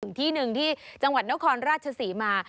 อีกที่หนึ่งที่จังหวัดนครราชศรีมา